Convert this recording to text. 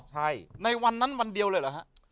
ใช่ในวันนั้นวันเดียวเลยเหรอฮะ